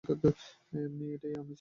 এমনিতেও এটাই আমি চেয়েছিলাম সবসময়।